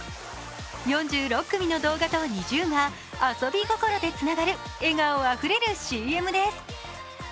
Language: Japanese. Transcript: ４６組の動画とＮｉｚｉＵが遊び心でつながる笑顔あふれるＣＭです。